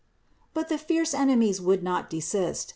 But the fierce enemies would not desist.